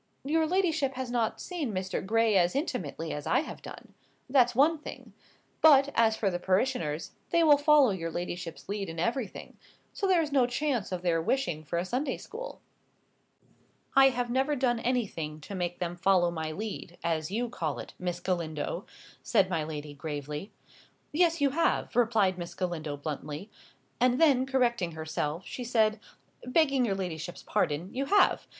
"Your ladyship has not seen Mr. Gray as intimately as I have done. That's one thing. But, as for the parishioners, they will follow your ladyship's lead in everything; so there is no chance of their wishing for a Sunday school." "I have never done anything to make them follow my lead, as you call it, Miss Galindo," said my lady, gravely. "Yes, you have," replied Miss Galindo, bluntly. And then, correcting herself, she said, "Begging your ladyship's pardon, you have.